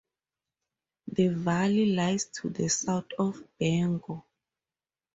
The valley lies to the south of Bangor.